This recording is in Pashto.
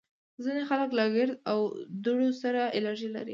ځینې خلک له ګرد او دوړو سره الرژي لري